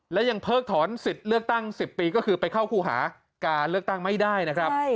และยังเพิกถอนสิทธิ์เลือกตั้ง๑๐ปีก็คือไปเข้าคู่หาการเลือกตั้งไม่ได้นะครับ